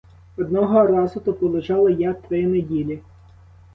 Одного разу то полежала я три неділі.